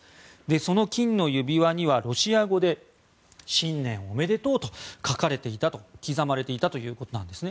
その金の指輪にはロシア語で新年おめでとうと書かれていたと刻まれていたということです。